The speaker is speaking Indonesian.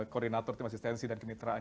koordinator tim asistensi dan kemitraan